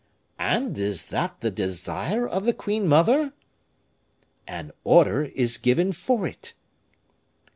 "And is that the desire of the queen mother?" "An order is given for it."